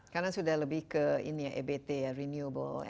karena sudah lebih ke ini ya ebt ya renewable